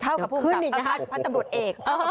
เท่ากับพันธมรตเอก